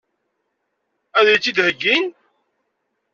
Ad iyi-tt-id-heggin?